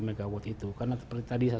megawatt itu karena seperti tadi saya